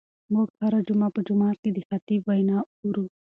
موږ هره جمعه په جومات کې د خطیب وینا اورو.